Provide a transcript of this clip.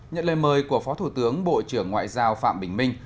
nhận lời mời của phó thủ tướng bộ trưởng ngoại giao phạm bình minh